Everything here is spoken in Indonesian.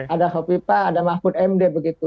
ada khofipa ada mahfud md begitu